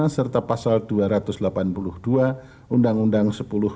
serta pasal dua ratus delapan puluh dua undang undang sepuluh dua ribu